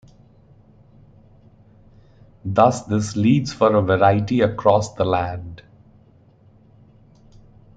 Thus, this leads for a variety across the land.